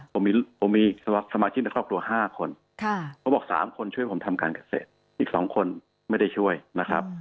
ผมมีสมาชิกในครอบครัว๕คนเขาบอก๓คนช่วยผมทำการเกษตรอีก๒คนไม่ได้ช่วยนะครับ